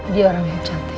dia orangnya yang cantik